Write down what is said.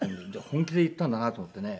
本気で言ったんだなと思ってね。